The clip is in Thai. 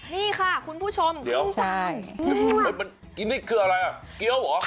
นี่ค่ะคุณผู้ชมนี่คืออะไรอ่ะเกี้ยวหรอ